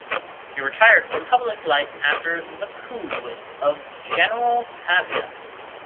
He retired from public life after the coup of General Pavia.